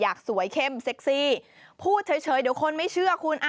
อยากสวยเข้มเซ็กซี่พูดเฉยเดี๋ยวคนไม่เชื่อคุณ